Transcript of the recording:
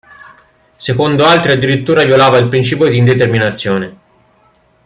Secondo altri addirittura violava il principio di indeterminazione.